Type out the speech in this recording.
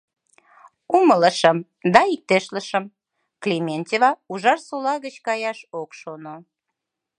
Умылышым да иктешлышым: Клементьева Ужарсола гыч каяш ок шоно!